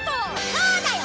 そうだよ！